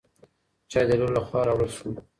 چای د لور له خوا راوړل شو.